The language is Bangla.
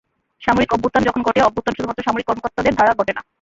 সামরিক অভ্যুত্থান যখন ঘটে, অভ্যুত্থান শুধুমাত্র সামরিক কর্মকর্তাদের দ্বারা ঘটে না।